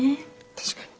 確かに。